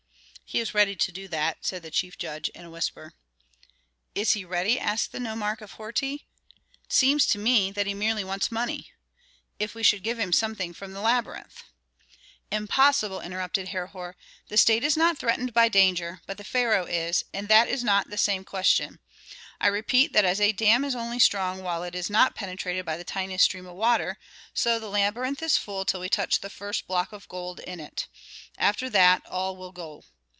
"He is ready to do that," said the chief judge in a whisper. "Is he ready?" asked the nomarch of Horti. "It seems to me that he merely wants money. If we should give him something from the labyrinth " "Impossible," interrupted Herhor. "The state is not threatened by danger, but the pharaoh is, and that is not the same question. I repeat that as a dam is strong only while it is not penetrated by the tiniest stream of water, so the labyrinth is full till we touch the first block of gold in it. After that, all will go.